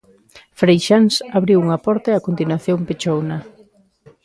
Freixáns abriu unha porta e a continuación pechouna.